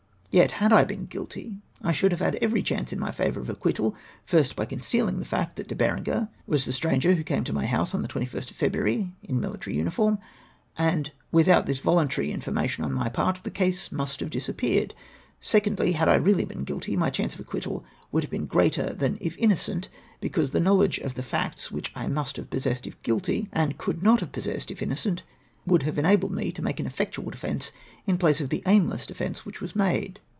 Yet, had I been guilty, I should have had every chance in my favoiu of acquittal ; first, by concealing the fact that De BerenG; er was the stransfer who DE BERENGER'S denial OP MY PARTICIPATION. 330 came to my house on tlie 21st of February, in military uuiform — and, without this vohmtary in formation on my part, the case must have disap peared ; secondly, had I really been guilty, my chance of acquittal would have been greater than if innocent — because the knowledo;e of facts which I must have possessed if guilty, and could not have possessed if innocent, would have enabled me to make an effectual defence in place of the aimless defence which was made.